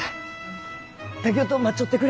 竹雄と待っちょってくれんか？